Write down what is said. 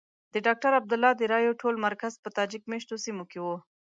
د ډاکټر عبدالله د رایو ټول مرکز په تاجک مېشتو سیمو کې وو.